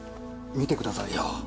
見てくださいよ。